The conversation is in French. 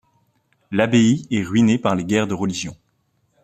L'abbaye est ruinée par les guerres de religion.